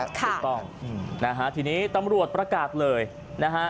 ค่ะถูกต้องทีนี้ตำรวจประกาศเลยนะฮะ